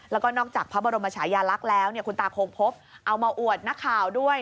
แล้วก็นอกจากพระบรมชายาลักษณ์แล้วคุณตาคงพบเอามาอวดนักข่าวด้วย